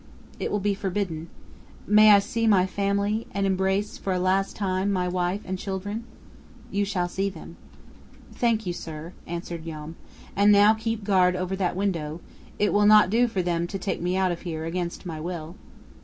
"It will be forbidden." "May I see my family, and embrace for a last time my wife and children?" "You shall see them." "Thank you, sir," answered Joam; "and now keep guard over that window; it will not do for them to take me out of here against my will."